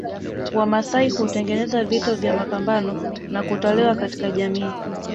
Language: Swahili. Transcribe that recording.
Wamasai hutengeneza vito vya mapambo na kutolewa katika jamii